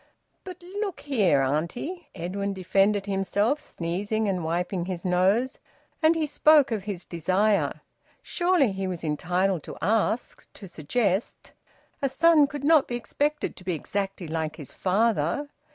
"But look here, auntie," Edwin defended himself, sneezing and wiping his nose; and he spoke of his desire. Surely he was entitled to ask, to suggest! A son could not be expected to be exactly like his father.